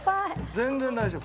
全然大丈夫。